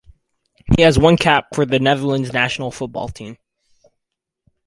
He has one cap for the Netherlands national football team.